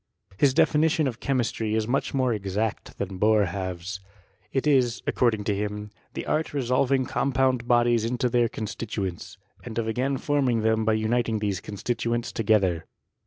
His definitioQ of chemistry ia much more exact than Boerhaave's. It is, according to him, the art of resolving compound bodies into their constituents, and of again forming them by uniting these constituents together.